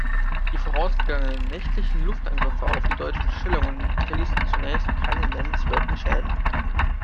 Die vorausgegangenen nächtlichen Luftangriffe auf die deutschen Stellungen hinterließen zunächst keine nennenswerten Schäden.